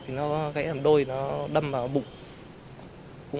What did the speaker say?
thì nó sập nó gãy làm đôi nó đâm ra kìa